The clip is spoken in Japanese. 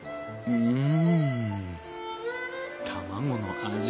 うん！